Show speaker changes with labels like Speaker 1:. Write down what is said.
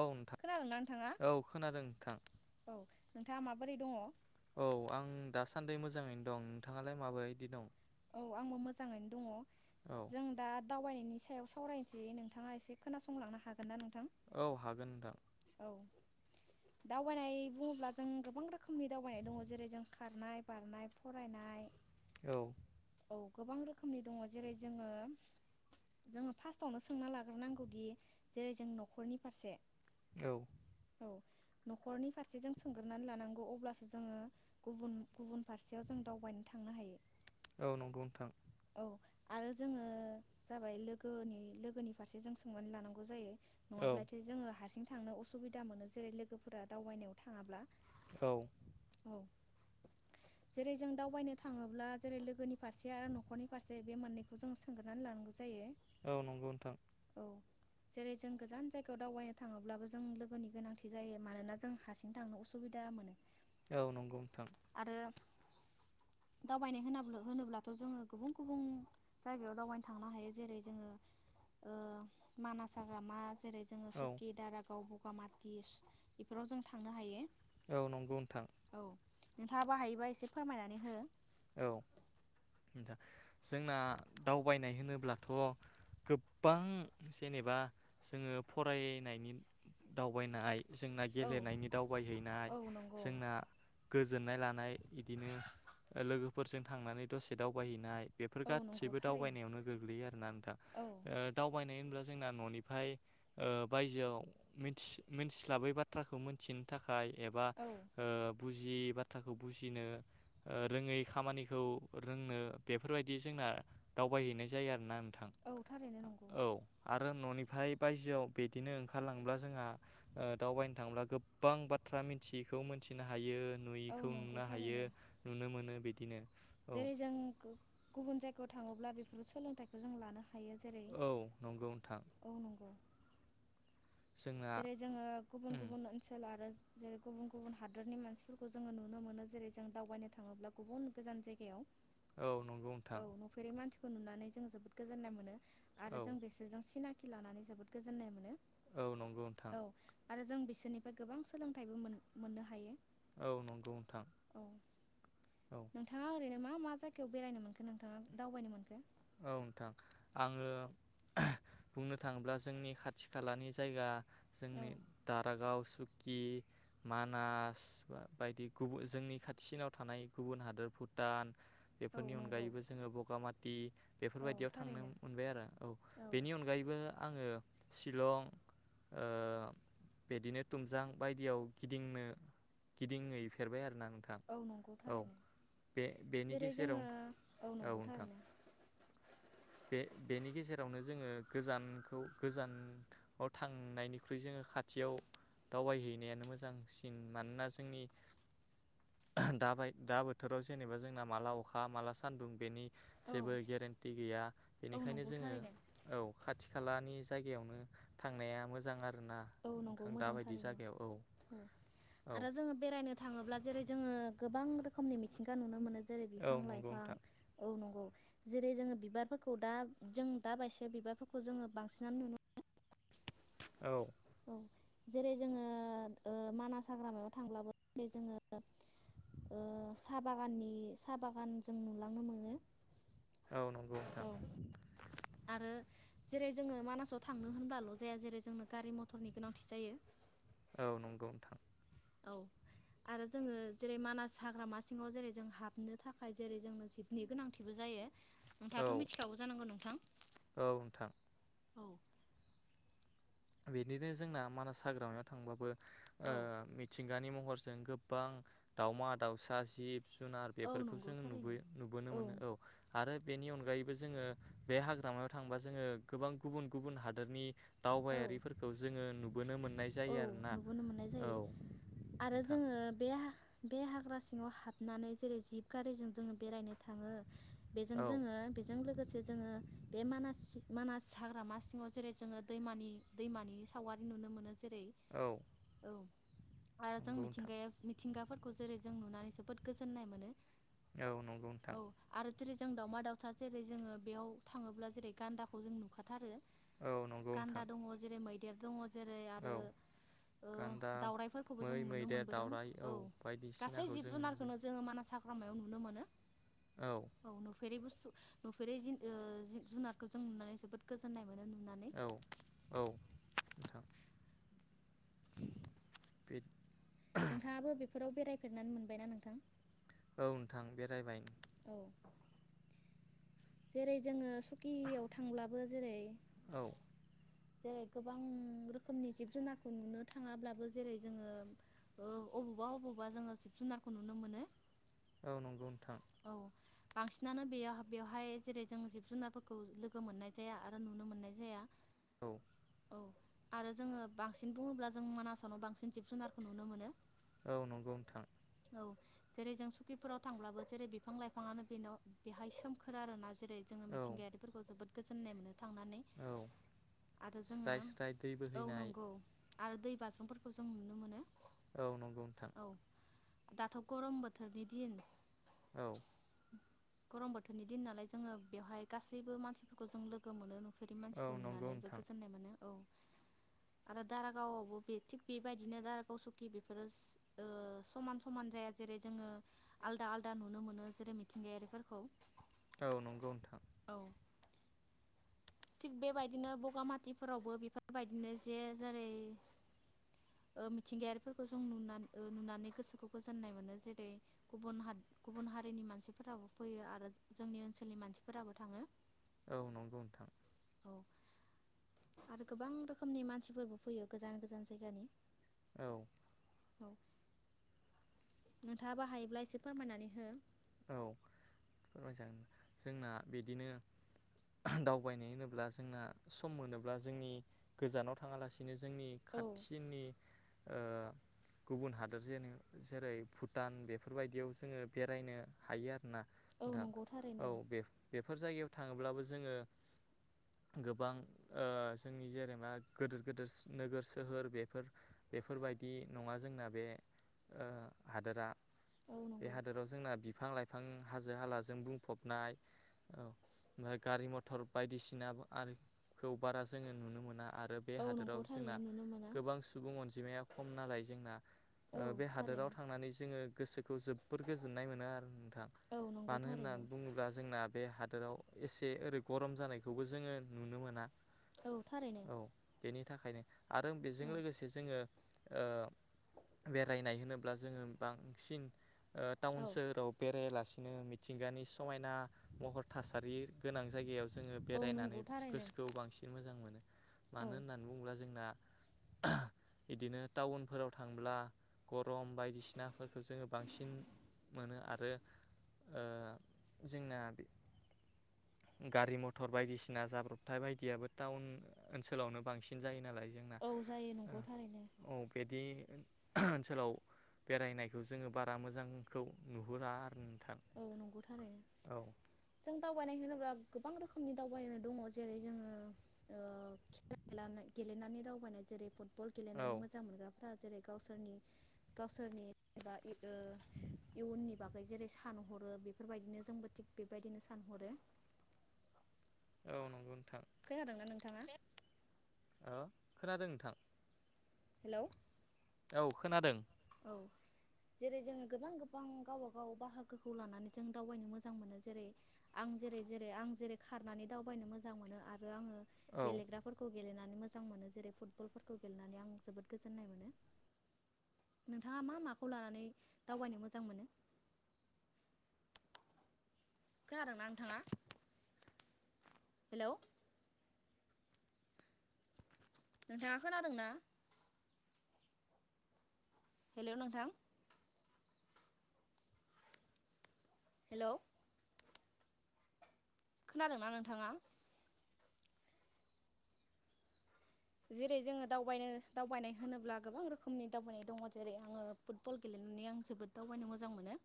Speaker 1: औ नोंथां
Speaker 2: खोनादोंना नोंथाङा
Speaker 1: औ खोनादों नोंथां
Speaker 2: औ नोंथाङा माबोरै दङ?
Speaker 1: औ आं दासान्दि मोजाङैनो दं नोंथाङालाय माबोरायदि दं
Speaker 2: औ आंबो मोजाङैनो दङ
Speaker 1: औ
Speaker 2: जों दा दावबायनाय नि सायाव सावरायनोसै नोंथाङा एसे खोनासंलांनो हागोनना नोंथां
Speaker 1: औ हागोन नोंथां
Speaker 2: औ दावबायनाय बुङोब्ला जों गोबां रोखोमनि दावबायनाय दङ जेरै जों खारनाय, बारनाय, फरायनाय
Speaker 1: औ
Speaker 2: औ गोबां रोखोमनि दङ जेरै जोङो जोङो फार्स्टआवनो सोंना लाग्रोनांगौदि जे जों नखरनि फारसे
Speaker 1: औ
Speaker 2: औ नखरनि फारसे जों सोंग्रोनानै लानांगौ अब्लासो जोङो गुबुन गुबुन फारसेयाव जों दावबायनो थांनो हायो
Speaker 1: औ नंगौ नोंथां
Speaker 2: औ आरो जोङो जाबाय लोगोनि लोगोनि फारसे जों सोंनानै लानांगौ जायो
Speaker 1: औ
Speaker 2: नङाब्लाथ जोङो हारसिं थांनो असुबिदा मोनो जेरै लोगोफोरा दावबायनायाव थाङोब्ला
Speaker 1: औ
Speaker 2: जेरै जों दावबायनो थाङोब्ला जेरै लोगोनि फारसे आरो न खरनि फारसे बे मोननैखौ जों सोंग्रोनानै लानांगौ जायो
Speaker 1: औ नंगौ नोंथां
Speaker 2: औ जेरै जों गोजान जायगायाव दावबायनो थाङोब्लाबो जों लोगोनि गोनांथि जायो मानोना जों हारसिं थांनो उसुबिदा मोनो।
Speaker 1: औ नंगौ नोंथां
Speaker 2: आरो दावबायनाय होनना होनोब्लाथ जोंङो गुबुन गुबुन जायगायाव दावबायनो थांनो हायो जेरै जोंङो ओ मानास हाग्रामा जेरै जोंङो
Speaker 1: औ
Speaker 2: सुकि, दारागाव बगामाटि बेफोराव जों थांनो हायो।
Speaker 1: औ नंगौ नोंथां
Speaker 2: नोंथाङाबो हायोबा एसे फोरमायनानै हो
Speaker 1: औ नोंथां जोंना दावबायनाय होनोब्लाथ गोबां जेनेबा जोंङो फरायनायनि दावबायनाय जोंना
Speaker 2: औ
Speaker 1: गेलेनायनि दावबायहैनाय
Speaker 2: औ नंगौ
Speaker 1: जोंना गोजोननाय लानाय इदिनो लोगोफोरजों थांनानै दसे दावबायहैनाय बेफोर
Speaker 2: औ नंगौ
Speaker 1: गासिबो
Speaker 2: थारैनो
Speaker 1: दावबायनायावनो गोग्लैयो आरोना नोंथा
Speaker 2: औ
Speaker 1: ओ दावबायनाय होनब्ला जोंना न'निफाय ओ बायजोआव मिथि मिथिस्लाबै बाथ्राखौ मोनथिनो था खाय एबा
Speaker 2: औ
Speaker 1: ओ बु जियि बाथ्राखौ बुजिनो ओ रोङै खामानिखौ रोंनो बेफोरबायदि जोंना दावबायहैनाय जायो आरोना
Speaker 2: औ थारैनो नोंगौ
Speaker 1: रो ननिफाय बायजोआव बेदिनो ओंखारलांब्ला जोंहा ओ दावबायनो थाङोब्ला गोबां बाथ्रा मिथियैखौ मोनथिनो हायो
Speaker 2: औ
Speaker 1: नुयिखौ
Speaker 2: नंगौ
Speaker 1: नुनो हायो
Speaker 2: थारैनो
Speaker 1: मोनो बिदिनो औ
Speaker 2: जेरै जों गुबुन जायगायाव थाङोब्ला बेफोर सोलोंथखौ जों लानो हायो जेरै
Speaker 1: औ नंगौ नोंथां
Speaker 2: औ नंगौ
Speaker 1: जोंना
Speaker 2: जेरै जोङो गुबुन
Speaker 1: उम
Speaker 2: गुबुन ओनसोल आरो जेरै गुबुन गुबुन हादरनि मानसिफोरखौ जोङो नुनो मोनो जेरै जों दावबायनो थाङोब्ला गुबुन गोजान जायगायाव
Speaker 1: औ नंगौ नोंथां
Speaker 2: खौ नुनानै जोंङो जोबोद गोजोन्नाय मोनो आरो
Speaker 1: औ
Speaker 2: जों बिसोरजों सिनाखि खि लानानै जोबोद गोजोननाय मोनो
Speaker 1: औ नंगौ नोंथां
Speaker 2: औ आरो जों बिसोरनिफ्राय गोबां सोलोंथाइबो मोननो हायो
Speaker 1: औ नंगौ नोंथां
Speaker 2: औ
Speaker 1: औ
Speaker 2: नोंथाङा ओरैनो मा मा जाय गायाव बेरायनो मोनखो नोंथाङा दावबायनो मोनखो
Speaker 1: औ नोंथां आङो बुंनो थाङोब्ला जोंनि खाथि खालानि जायगा
Speaker 2: औ
Speaker 1: जोंनि दारागाव सुकि मानास बायदि गुबुन जोंनि खाथिसिनाव थानाय गुबुन हादोर भुटान
Speaker 2: औ
Speaker 1: बेफोरनि
Speaker 2: नंगौ
Speaker 1: अनगायैबो जोङो बगामा [unintelligible]
Speaker 2: औ
Speaker 1: बेफोरबायदियाव थांनो
Speaker 2: थारैनो
Speaker 1: मोनबाय आरो औ बेनि अनगायैबो आङो शिलं ओ बिदिनो थुमजां बायदियाव गिदिंनो गिदिं फेरबाय आरो
Speaker 2: औ नंगौ थारैनो
Speaker 1: बे बेनि
Speaker 2: जेरै
Speaker 1: गेजेराव
Speaker 2: जोङो औ
Speaker 1: औ
Speaker 2: नंगौ
Speaker 1: नोंथां
Speaker 2: थारैनो
Speaker 1: बे बेनि गेजेरावनो जोङो गोजानखौ गोजानाव थांनायनिख्रुइ जोङो खाथियाव दावबायहैनायानो मोजांसिन मानोना जोंनि दाबाय दा बोथोराव जेनेबा जोंना माला अखा माला सान्दुं बेनि
Speaker 2: औ
Speaker 1: जेबो गेरेन्टि गैया
Speaker 2: औ
Speaker 1: बेनिखायनो
Speaker 2: नंगौ
Speaker 1: जोङो
Speaker 2: थारैनो
Speaker 1: औ खाथि खाला मानि जायगायावनो थांनाया मोजां आ
Speaker 2: औ नंगौ मोजांथारैनो औ
Speaker 1: औ
Speaker 2: आरो जोंङो बेरायनो थाङोब्ला जेरै जोंङो गोबां रोखोमनि मिथिंगा नुनो मोनो। जेरै
Speaker 1: औ
Speaker 2: बिफां
Speaker 1: नंगौ
Speaker 2: लाइफां
Speaker 1: नोंथां
Speaker 2: औ नंगौ जेरै जोंङो बिबारफोरखौ दा जों दा बायस बिबारफोरखौ जोंङो बांसिनानो नुनो मोनो
Speaker 1: औ
Speaker 2: औ जेरै जोंङो मानास हाग्रामायाव थांब्लाबो जोंङो साहा बागाननि साहा बागान जों नुलांनो मोनो
Speaker 1: औ नंगौ
Speaker 2: औ
Speaker 1: नोंथां।
Speaker 2: आरो जेरै जोंङो मानासाव थांनो होनबाल' जाया जेरै जोंनो गारि म टरनि गोनांथि जायो।
Speaker 1: औ नंगौ नोंथां।
Speaker 2: औ आरो जोंङो जेरै मानास हाग्रामा सिङाव जेरै जों हाबनो थाखाय जेरै जोंनो जिबनि गोनांथिबो जायो।
Speaker 1: औ
Speaker 2: नोंथाङाथ' मिथिखागौ जानांगौ नों नोंथां
Speaker 1: औ नोंथां
Speaker 2: औ
Speaker 1: बिदिनो जोंना मानास हाग्रामायाव थांबाबो ओ मिथिं गानि महरजों गोबां दाउमा दाउसा जिब जुनार
Speaker 2: औ
Speaker 1: बेफोरखौ
Speaker 2: नंगौ
Speaker 1: जों
Speaker 2: थारैनो
Speaker 1: नबुय-नुबोनो मोनो औ आरो बेनि अनगायैबो जोंङो बे हाग्रामायाव थांबा जोंङो गोबां गुबुन-गुबुन हादोरनि दावबाया रि
Speaker 2: औ
Speaker 1: जोंङो नु
Speaker 2: औ नुबोनो मोननाय जायो आरो
Speaker 1: नोंथां
Speaker 2: जोंङो बे बे हाग्रा सिङाव हाबनानै जेरै जिब गारिजों जोंङो बेरायनो थाङो बेजों
Speaker 1: औ
Speaker 2: जोंङो बेजों लोगोसे जोंङो बे मानास-मानास हाग्रामा सिङाव जेरै जोंङो दैमान- दैमानि सावगारि नुनो मोनो जेरै
Speaker 1: औ
Speaker 2: औ आरो जों
Speaker 1: नंगौ नोंथां
Speaker 2: मिथिंगाया-मिथिंगाफोर खौ जेरै जों नुनानै जोबोद गोजोननाय मोनो।
Speaker 1: औ नंगौ नोंथां
Speaker 2: औ आरो जेरै जों दाउमा दाउसा जेरै जोंङो बेयाव थाङोब्ला जेरै गान्दाखौ जों नुखाथारो।
Speaker 1: औ नंगौ
Speaker 2: गान्दा
Speaker 1: नोंथां
Speaker 2: दंङ जेरै मै देर दंङ जेरै आरो
Speaker 1: औ गान्दा
Speaker 2: दाउराइफोरखौबो जों
Speaker 1: मै
Speaker 2: नुनो
Speaker 1: मैदेर
Speaker 2: मोनबोदों
Speaker 1: दावराइ
Speaker 2: औ गासै
Speaker 1: बायदिसिनाखौ
Speaker 2: जिब
Speaker 1: जोङो नुबोयो
Speaker 2: जुनारखौनो जोंङो मानास हा ग्रामायाव नुनो मोनो। औ नुफेरै ब नुफेरै जिब जुनारखौ जों नुनानै जोबोद गोजोननाय मोनो नुनानै।
Speaker 1: औ औ नोंथां
Speaker 2: [inaudible]
Speaker 1: बे
Speaker 2: नोंथाङाबो बेफोराव बेरायफेरनानै मोनबायना नोंथां?
Speaker 1: औ नोंथां बेरायबाय
Speaker 2: जेरै जोङो सकियाव थांब्लाबो जेरै
Speaker 1: औ
Speaker 2: जेरै गोबां रोखोमनि जिब जुनारखौ नुनो थाङाब्लाबो जेरै जोङो ओ अबावबा अबावबा जोङो जिब जुनारखौ नुनो मोनो।
Speaker 1: औ नंगौ नोंथां
Speaker 2: औ बांसिनानो बेया बेवहाय जेरै जों जिब जुनारफोरखौ लोगो मोननाय जाया आरो नुनो मोननाय जाया।
Speaker 1: औ
Speaker 2: औ आरो जोङो बांसिन बुङोब्ला जों मानासावनो बांसिन जिब जुनारखौ नुनो मोनो।
Speaker 1: औ नंगौ नोंथां
Speaker 2: औ जेरै जों सुकिफोराव थांब्लाबो जेरै बिफां लाइफाङानो बेल बेहाय सोमखोर आरोना। जेरै जोङो
Speaker 1: औ
Speaker 2: मिथिंगायारिफोरखौ जोबोद गोजोन्नाय मोनो। थांनानै
Speaker 1: औ
Speaker 2: आरो जोङो
Speaker 1: स्राय स्राय दै
Speaker 2: औ
Speaker 1: बोहैनाय
Speaker 2: नंगौ। आरो दै बाज्रुमफोरखौ जों नुनो मोनो।
Speaker 1: औ नंगौ नोंथां
Speaker 2: औ दाथ' गरम बोथोरनि दिन
Speaker 1: औ
Speaker 2: गरम बोथोरनि दिन नालाय जोङो बेवहाय गासैबो मानसिफोरखौ जों लोगो मोनो नु बेफोरनि
Speaker 1: औ
Speaker 2: मानसिखौ
Speaker 1: नंगौ
Speaker 2: नुनानैबो
Speaker 1: नोंथां
Speaker 2: गोजोननाय मोनो औ आरो दारागावावबो बे थिग बेबायदिनो दारागाव सकि बेफोरो ओ समान समान जाया जेरै जोङो आलदा आलदा नुनो मोनो जेरै मिथिंगायारिफोरखौ
Speaker 1: औ नंगौ नोंथां।
Speaker 2: औ थिग बेबायदिनो बगामातिफोरावबो बेफोरबायदिनो जे जेरै ओ मिथिंगायारिफोरखौ जों नुना ओ नुनानै गोसोखौ गोजोननाय मोनो जेरै गुबुन हा गुबुन हारिनि मानसिफोराबो फैयो आरो जोंनि ओनसोलनि मानसिफोराबो थाङो।
Speaker 1: औ नंगौ नोंथां।
Speaker 2: औ आरो गोबां रोखोमनि मानसिफोरबो फैयो गोजान गोजान जायगानि।
Speaker 1: औ
Speaker 2: औ नोंथाङाबो हायोब्ला एसे फोरमायनानै हो।
Speaker 1: औ फोरमायजागोन जोंना बिदिनो ओ-हो दावबायनाय होनोब्ला जोंना सम मोनोब्ला जोंनि गोजानाव थाङालासिनो जोंनि
Speaker 2: औ
Speaker 1: खाथिनि ओ गुबुन हादोरजे जेरै भुटान बेफोरबायदियाव जोङो बेरायनो हायो आरो ना।
Speaker 2: औ
Speaker 1: नोंथां
Speaker 2: नंगौ
Speaker 1: औ
Speaker 2: थारैनो
Speaker 1: बेफोर बेफोर जायगायाव। थाङोब्लाबो जोङो गोबां ओ जोंनि जेनेबा गोदोर गोदोर सो नोगोर सोहोर बेफोर बेफोरबायदि नङा जोंना बे ओ हादोरा।
Speaker 2: औ
Speaker 1: बे
Speaker 2: नंगौ
Speaker 1: हादोराव जोंना बि बिफां लाइफां हाजो हालाजों बुंफबनाय औ ओमफाय गारि मथर बायदिसिना आरो खौ बारा जोङो नुनो मोना आरो बे
Speaker 2: औ नंगौ
Speaker 1: हादोराव जोंना
Speaker 2: थारैनो नुनो मोना
Speaker 1: गोबां सुबुं अनजिमाया खम नालाय जोंना
Speaker 2: औ
Speaker 1: बे ओ हादोराव
Speaker 2: थारैनो
Speaker 1: थांनानै जोङो गोसोखौ जोबोर गोजोननाय मोनो नोंथां
Speaker 2: औ नंगौ
Speaker 1: मानो
Speaker 2: थारैनो
Speaker 1: होननानै बुङोब्ला जोंना बे हा दोराव एसे ओरै गरम जानायखौबो जोङो नुनो मोना।
Speaker 2: औ थारैनो।
Speaker 1: औ बेनि थाखायनो आरो बेजों
Speaker 2: औ
Speaker 1: लोगोसे जोङो ओ बेरायनाय होनोब्ला जोङो बांसिन ओ टाउन
Speaker 2: औ
Speaker 1: सोहोराव बेरायालासिनो मिथिंगानि समायना महर थासारि गोनां जायगायाव जोङो
Speaker 2: औ नंगौ
Speaker 1: बेरायनानै
Speaker 2: थारैनो
Speaker 1: गोसोखौ बांसिन मोजां मोनो
Speaker 2: औ
Speaker 1: मानो होननानै बुङोब्ला जोंना बिदिनो टाउनफोराव थांब्ला गरम बायदिसिनाफोरखौ जोङो बांसिन मोनो आरो। ओ जोंना गारि मथर बायदिसिना जाब्रबथाय बायदियाबो टाउन ओनसोलावनो बांसिन जायो नालाय जोंना
Speaker 2: औ जायो नंगौ थारैनो
Speaker 1: औ बिदि ओनसोलाव बेरायनायखौ जोङो बारा मोजांखौ नु हुरा आरो नों
Speaker 2: औ नंगौ थारैनो। जों दावबायनाय होनोब्ला गोबां रोखोमनि दावबायनो दङ जेरै जोङो ओ गेलेनानै दावबायनाय जेरै फुट बल
Speaker 1: औ
Speaker 2: गेलेनानै मोजां मोनग्राफ्रा जेरै गावसोरनि गावसोरनि एबा ओ इयुननि बागै जेरै सानहरो बेफोरबायदिनो जोंबो थिग बेबायदिनो सानहरो
Speaker 1: औ नंगौ नों
Speaker 2: खोनादोंना नोंथाङा?
Speaker 1: ओ खोनादों नोंथां।
Speaker 2: हेल'
Speaker 1: औ खोनादों।
Speaker 2: औ जेरै जोङो गोबां गोबां गावब गाव बाहागोखौ लानानै जों दावबायनो मोजां मोनो जेरै आं जेरै जेरै आं जेरै खारनानै दावबायनो मोजां मोनो आरो आङो
Speaker 1: औ
Speaker 2: गेलेग्राफोरखौ गेलेनानै मोजां मोनो जेरै फुटबलफोरखौ गेलेनानै आं जोबोद गोजोन्नाय मोनो। नोंथाङा मा माखौ लानानै दावबायनो मोजां मोनो? खोनादोंना नोंथाङा? हेल' नोंथाङा खोनादोंना? हेल' नोंथां? हेल' खोनादोंना नोंथाङा? जेरै जोङो दावबायनो दावबायनाय होनोब्ला गोबां रोखोमनि दावबायनाय दङ जेरै आङो फुटबल गेलेनानै आं जोबोद दावबायनो मोजां मोनो।